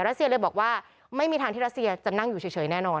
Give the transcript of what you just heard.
เซียเลยบอกว่าไม่มีทางที่รัสเซียจะนั่งอยู่เฉยแน่นอน